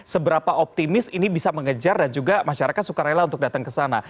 seberapa optimis ini bisa mengejar dan juga masyarakat suka rela untuk datang ke sana